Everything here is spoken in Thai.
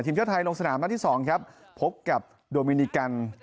ทีมชาติไทยลงสนามร้านที่สองครับพบกับโดมินิกัน